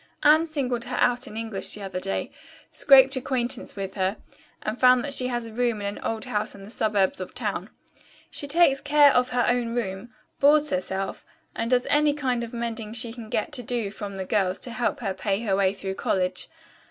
Anne singled her out in English the other day, scraped acquaintance with her, and found that she has a room in an old house in the suburbs of the town. She takes care of her own room, boards herself and does any kind of mending she can get to do from the girls to help her pay her way through college.